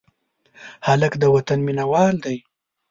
هلک د وطن مینه وال دی.